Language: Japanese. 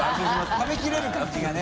食べ切れる感じがね。